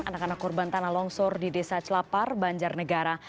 anak anak korban tanah longsor di desa celapar banjarnegara